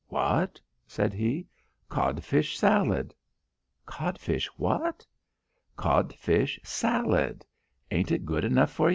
"What?" said he. "Codfish salad." "Codfish what?" "Codfish salad. Ain't it good enough for ye?